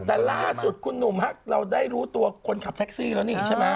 แต่ล่าสุดคุณหนุ่มฮะเราได้รู้ตัวคนขับแท็กซี่แล้วนี่ใช่ไหม